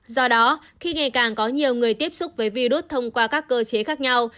do đó khi ngày càng có nhiều người tiếp xúc với virus thông qua các cơ chế khác nhau